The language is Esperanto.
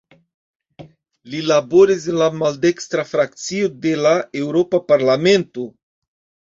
Li laboris en la maldekstra frakcio de la Eŭropa Parlamento.